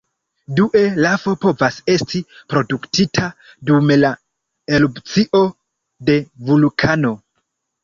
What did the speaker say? Due, lafo povas esti produktita dum la erupcio de vulkano.